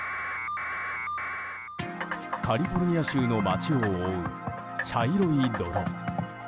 カリフォルニア州の街を覆う茶色い泥。